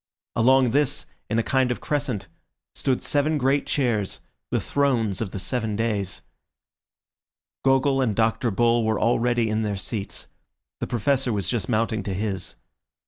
Along this, in a kind of crescent, stood seven great chairs, the thrones of the seven days. Gogol and Dr. Bull were already in their seats; the Professor was just mounting to his.